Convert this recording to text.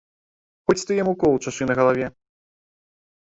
Хоць ты яму кол чашы на галаве!